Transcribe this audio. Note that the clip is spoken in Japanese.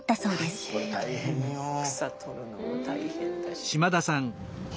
草取るのが大変だし。